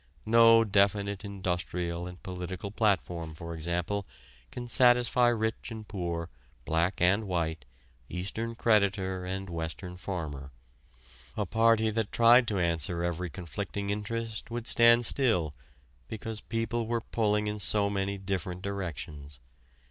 No definite industrial and political platform, for example, can satisfy rich and poor, black and white, Eastern creditor and Western farmer. A party that tried to answer every conflicting interest would stand still because people were pulling in so many different directions.